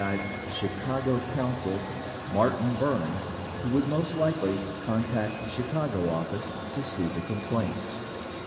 35 687 0 74 46 704 sel, Martin Burns, who would most likely contact the Chicago office to see the complaint.